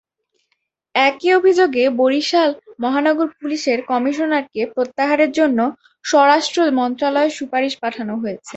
একই অভিযোগে বরিশাল মহানগর পুলিশের কমিশনারকে প্রত্যাহারের জন্য স্বরাষ্ট্র মন্ত্রণালয়ে সুপারিশ পাঠানো হয়েছে।